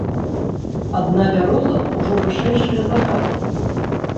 Адна бяроза ўжо вышэйшая за хату.